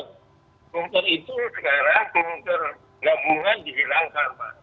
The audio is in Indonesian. kumker itu sekarang kumker gabungan dihilangkan pak